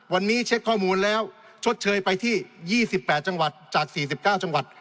วันนี้เช็คข้อมูลแล้วชดเชยไปที่๒๘จังหวัดจาก๔๙จังหวัด